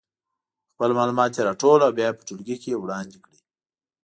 خپل معلومات دې راټول او بیا یې په ټولګي کې وړاندې کړي.